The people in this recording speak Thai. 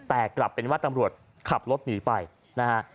แต่กลับเป็นว่าตำรวจขับรถหนีไปนะฮะ